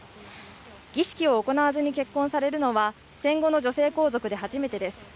儀式を行わずに結婚されるのは戦後の女性皇族で初めてです。